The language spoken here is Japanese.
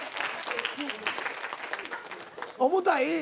重たい？